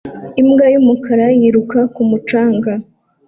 Imbwa y'umukara yiruka ku mucanga